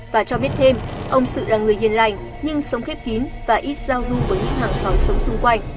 và cho biết thêm ông sự là người hiền lành nhưng sống khép kín và ít giao du với những hàng xóm sống xung quanh